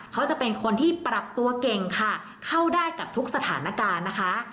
เขาจะเป็นคนที่ปรับตัวเก่งค่ะเข้าได้กับทุกสถานการณ์นะคะ